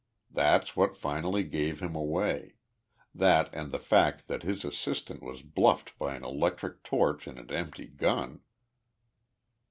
That's what finally gave him away that and the fact that his assistant was bluffed by an electric torch and an empty gun."